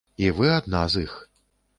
І вы адна з іх.